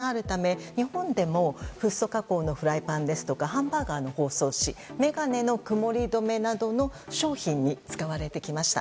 水や油をはじくという独特の性質があるため日本でもフッ素加工のフライパンですとかハンバーガーの包装紙眼鏡の曇り止めなどの商品に使われてきました。